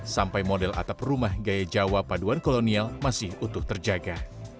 sampai model atap rumah gaya jawa paduan kolonial masih utuh terjaga